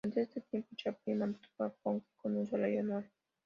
Durante ese tiempo, Chaplin mantuvo a Conklin con un salario anual.